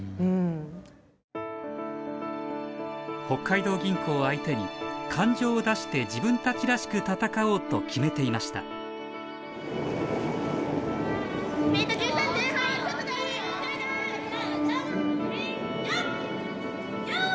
北海道銀行を相手に感情を出して自分たちらしく戦おうと決めていましたヤップ！